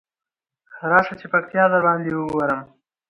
راشی چی پکتيا درباندې وګورم.